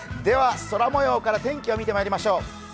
では空もようから天気を見てまいりましょう。